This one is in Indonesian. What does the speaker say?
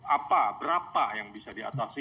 apa berapa yang bisa diatasi